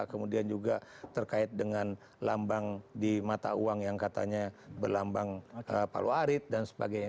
kemudian juga terkait dengan lambang di mata uang yang katanya berlambang palu arit dan sebagainya